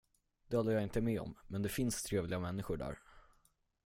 Det håller jag inte med om, men det finns trevliga människor där.